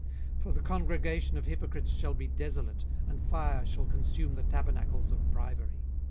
18:015:034 For the congregation of hypocrites shall be desolate, and fire shall consume the tabernacles of bribery.